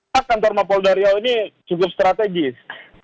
nah kantor mapolda riau ini cukup strategis